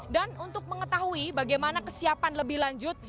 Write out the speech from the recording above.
dan untuk mengetahui bagaimana kesiapan lebih lanjut